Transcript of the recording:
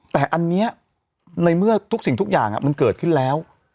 แต่อันนี้ในเมื่อทุกสิ่งทุกอย่างมันเกิดขึ้นแล้ว